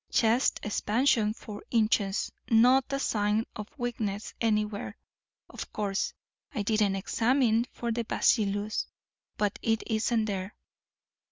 Chest expansion four inches. Not a sign of weakness anywhere. Of course I didn't examine for the bacillus, but it isn't there.